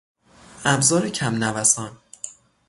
ابزار کمنوسان